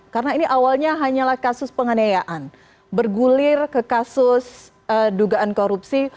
karena ini awalnya hanyalah kasus penganayaan bergulir ke kasus dugaan korupsi